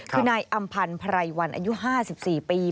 คือนายอำพันธ์ไพรวันอายุ๕๔ปี